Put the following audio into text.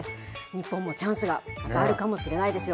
日本もチャンスがまだあるかもしれないですよ。